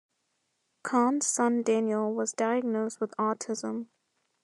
Conn's son Daniel was diagnosed with autism.